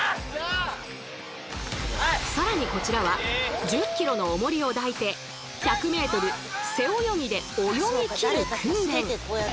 さらにこちらは１０ｋｇの重りを抱いて１００ｍ背泳ぎで泳ぎ切る訓練。